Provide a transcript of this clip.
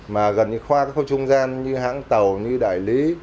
mà gần như khoa các khâu trung gian như hãng tàu như đại lý